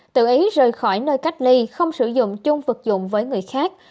tự ý rời khỏi nơi cách ly không sử dụng chung vật dụng với người khác